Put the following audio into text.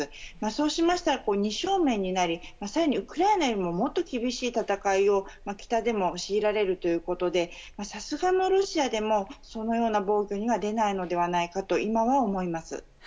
そうしましたら二正面になり更にウクライナよりももっと厳しい戦いを北でも強いられるということでさすがのロシアでもそのような暴挙には出ないのではないかと今は思います。